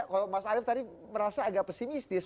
kalau mas arief tadi merasa agak pesimistis